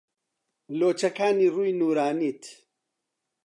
لۆچەکانی ڕووی نوورانیت